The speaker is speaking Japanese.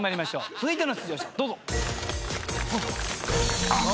続いての出場者どうぞ。